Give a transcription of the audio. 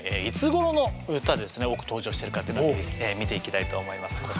いつごろの歌で多く登場してるかっていうのを見ていきたいと思います。